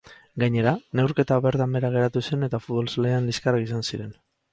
Gainera, neurketa bertan behera geratu zen eta futbol-zelaian liskarrak izan ziren.